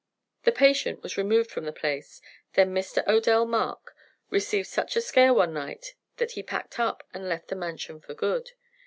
"The patient was removed from the place. Then Mr. Odell Mark received such a scare one night that he packed up and left the Mansion for good.